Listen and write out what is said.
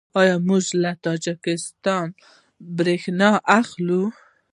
آیا موږ له تاجکستان بریښنا اخلو؟